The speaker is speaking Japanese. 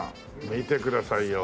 見てくださいよ。